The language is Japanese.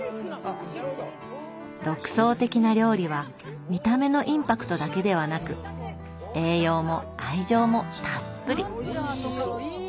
独創的な料理は見た目のインパクトだけではなく栄養も愛情もたっぷり。